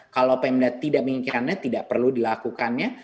kalau pemda tidak menginginkannya tidak perlu dilakukannya